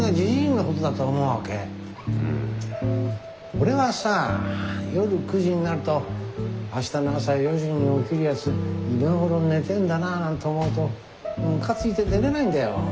俺はさ夜９時になると「明日の朝４時に起きるやつ今頃寝てんだなぁ」なんて思うとムカついて寝れないんだよ。